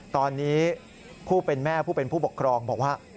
ตอนนี้ผู้เป็นแม่ผู้เป็นผู้ปกครองบอกว่า